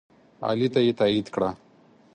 علي ته یې تایید کړه.